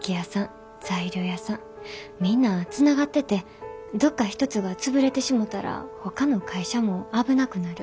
みんなつながっててどっか一つが潰れてしもたらほかの会社も危なくなる。